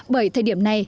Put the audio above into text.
bởi thời điểm này